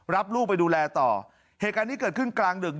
รับลูกไปดูแลต่อเหตุการณ์นี้เกิดขึ้นกลางดึก